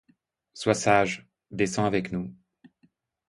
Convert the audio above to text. Sois sage, descends avec nous.